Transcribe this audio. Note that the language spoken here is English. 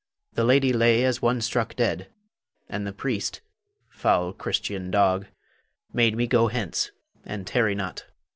The lady lay as one struck dead; and the priest, foul Christian dog, bade me go hence, and tarry not.